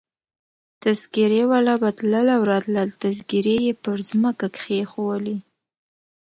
تذکیره والا به تلل او راتلل، تذکیرې يې پر مځکه کښېښولې.